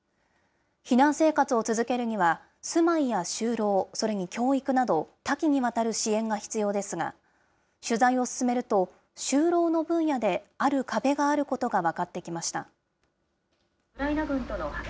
避難生活を続けるには、住まいや就労、それに教育など、多岐にわたる支援が必要ですが、取材を進めると、就労の分野である壁があることが分かってきました。